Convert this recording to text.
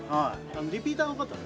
リピーターの方も。